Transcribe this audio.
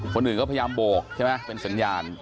คนอื่นก็พยายามโบกใช่ไหมเป็นสัญญาณ